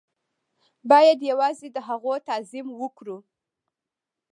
بايد يوازې د هغو تعظيم وکړو.